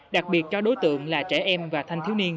đặc biệt cho đối tượng là trẻ em và thanh thiếu niên